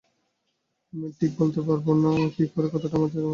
আমি ঠিক বলতে পারব না, কী করে কথাটা আমার মাথায় এল।